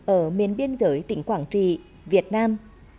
ở miền biên giới tỉnh quảng trị việt nam